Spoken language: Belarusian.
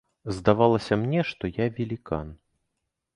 Здавалася мне, што я велікан.